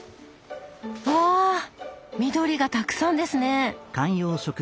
わ緑がたくさんですね！